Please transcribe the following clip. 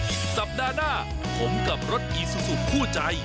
สัปดาห์หน้าผมกับรถอีซูซูคู่ใจ